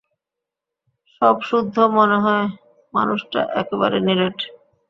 সবসুদ্ধ মনে হয় মানুষটা একেবারে নিরেট।